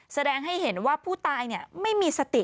แสดงให้เห็นว่าผู้ตายไม่มีสติ